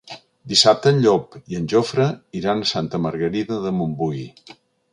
Dissabte en Llop i en Jofre iran a Santa Margarida de Montbui.